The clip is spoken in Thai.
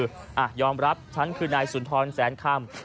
อ่ะยอมรับฉันคือนายสุนทรแสนคำ